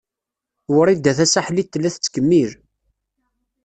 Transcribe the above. Wrida Tasaḥlit tella tettkemmil.